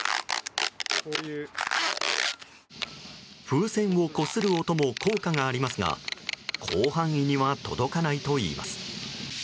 風船をこする音も効果がありますが広範囲には届かないといいます。